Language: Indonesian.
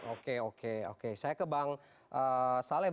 oke oke oke saya ke bang salem